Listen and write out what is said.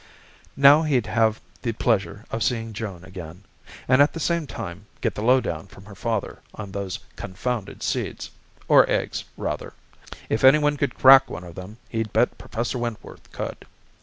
Now he'd have the pleasure of seeing Joan again, and at the same time get the low down from her father on those confounded seeds or eggs, rather. If anyone could crack one of them, he'd bet Professor Wentworth could.